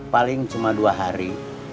paling cuma dua hari